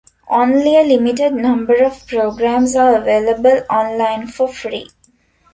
Only a limited number of programs are available online for free.